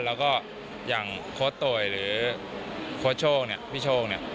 แล้วก็อย่างโค้ชโต๋ยหรือโค้ชโชคพี่โชค